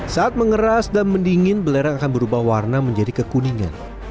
saat mengeras dan mendingin belerang akan berubah warna menjadi kekuningan